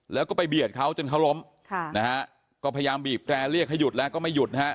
แล้วก็ไปเบียดเขาจนเขาล้มค่ะนะฮะก็พยายามบีบแตรเรียกให้หยุดแล้วก็ไม่หยุดนะฮะ